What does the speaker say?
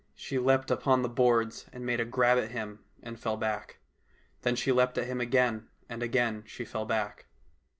She leaped upon the boards and made a grab at him and fell back. Then she leaped at him again, and again she fell back.